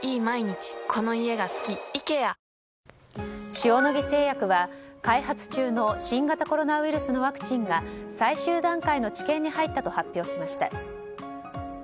塩野義製薬は開発中の新型コロナウイルスのワクチンが最終段階の治験に入ったと発表しました。